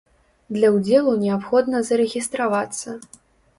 Для ўдзелу неабходна зарэгістравацца.